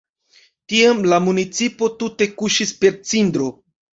Tiam la municipo tute kuŝis per cindro.